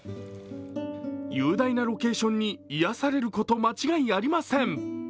雄大なロケーションに癒やされること間違いありません。